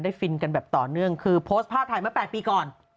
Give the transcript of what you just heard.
ฟินกันแบบต่อเนื่องคือโพสต์ภาพถ่ายเมื่อ๘ปีก่อน